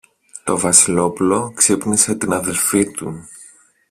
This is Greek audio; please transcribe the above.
Το Βασιλόπουλο ξύπνησε την αδελφή του.